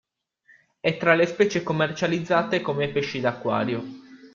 È tra le specie commercializzate come pesci da acquario.